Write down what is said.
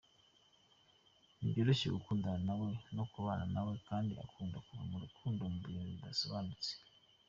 Ntibyoroshye gukundana nawe no kubana nawe kandi akunda kuva mu rukundo mu bintu bidasobanutse.